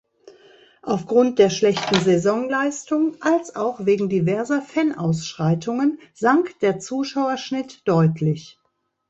Auf Grund der schlechten Saisonleistung, als auch wegen diverser Fan-Ausschreitungen sank der Zuschauerschnitt deutlich.